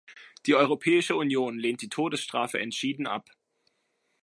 Die Europäische Union lehnt die Todesstrafe entschieden ab.